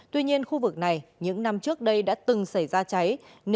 tuy nhiên khu vực này những năm trước đây đã từng xảy ra cháy